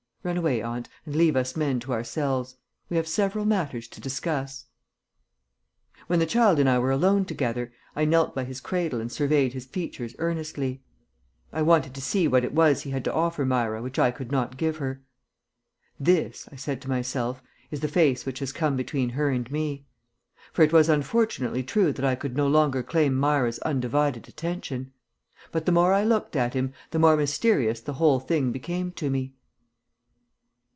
Run away, aunt, and leave us men to ourselves. We have several matters to discuss." When the child and I were alone together, I knelt by his cradle and surveyed his features earnestly. I wanted to see what it was he had to offer Myra which I could not give her. "This," I said to myself, "is the face which has come between her and me," for it was unfortunately true that I could no longer claim Myra's undivided attention. But the more I looked at him the more mysterious the whole thing became to me.